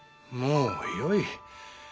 もうよい。